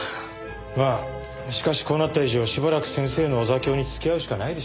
まあしかしこうなった以上しばらく先生のお座興に付き合うしかないでしょう。